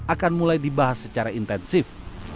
akan mulai dibahas secara intensif